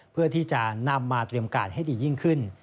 เพื่อที่จะนำมาเตรียมการให้ดียิ่งขึ้น